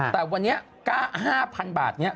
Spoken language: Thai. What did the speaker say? แต่วันนี้๕๐๐๐บาทนี้